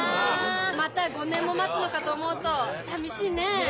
また５年も待つのかと思うとさみしいね。